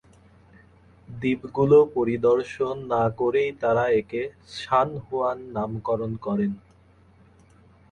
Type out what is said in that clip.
দ্বীপগুলো পরিদর্শন না করেই তাঁরা একে "সান হুয়ান" নামকরণ করেন।